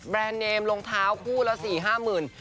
แบรนด์เนมรองเท้าคู่แล้วสี่ห้าหมื่น